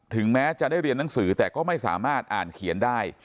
แม้จะได้เรียนหนังสือแต่ก็ไม่สามารถอ่านเขียนได้